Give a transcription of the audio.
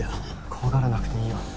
怖がらなくていいよ。